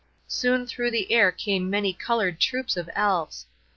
Soon through the air came many colored troops of Elves.